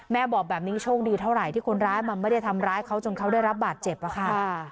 บอกแบบนี้โชคดีเท่าไหร่ที่คนร้ายมันไม่ได้ทำร้ายเขาจนเขาได้รับบาดเจ็บอะค่ะ